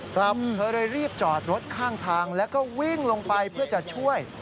กลับเธอเลยรีบจอดรถข้างทางแล้วก็วิ่งลงไปเพื่อจะช่วย